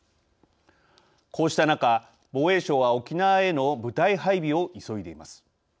こうした中、防衛省は沖縄への部隊配備を急いでいます。